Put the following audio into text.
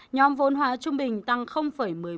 nhóm vốn hóa trung bình tăng một mươi bốn